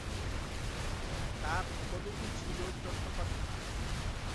তার পদবি ছিল চট্টোপাধ্যায়।